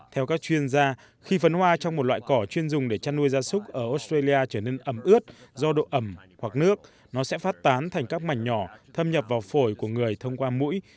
theo các chuyên gia khi phấn hoa trong một loại cỏ chuyên dùng để chăn nuôi gia súc ở australia trở nên ẩm ướt do độ ẩm hoặc nước nó sẽ phát tán thành các mảnh nhỏ thâm nhập vào phổi của người thông qua mũi